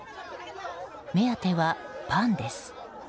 目当ては、パンです。